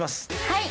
はい。